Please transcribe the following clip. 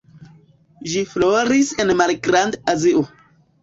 Ĝi floris en Malgrand-Azio.